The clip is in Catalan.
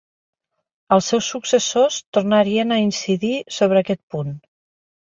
Els seus successors tornarien a incidir sobre aquest punt.